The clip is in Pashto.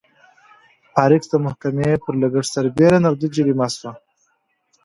پارکس د محکمې پر لګښت سربېره نغدي جریمه شوه.